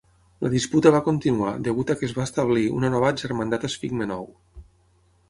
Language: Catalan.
La disputa va continuar, degut a que es va establir una nova "germandat esfigmenou".